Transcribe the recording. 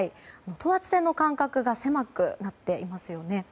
等圧線の間隔が狭くなっていますよね。